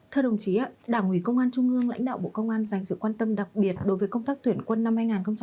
thưa đồng chí đảng ủy công an trung ương lãnh đạo bộ công an dành sự quan tâm đặc biệt đối với công tác tuyển quân năm hai nghìn hai mươi ba